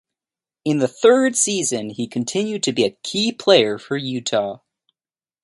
In his third season, he continued to be a key player for Utah.